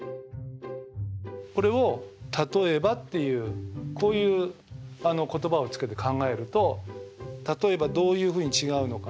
これを「例えば」っていうこういう言葉を付けて考えると例えばどういうふうに違うのかな。